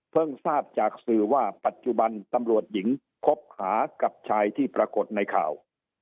ทราบจากสื่อว่าปัจจุบันตำรวจหญิงคบหากับชายที่ปรากฏในข่าว